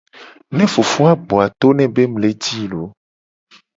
Ne fofo a gbo a to ne be mu le ji i loo.